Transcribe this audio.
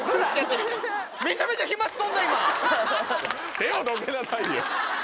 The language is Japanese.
手をどけなさいよ！